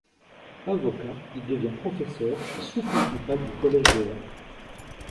Avocat, il devient professeur, puis sous-principal du collège de Vannes.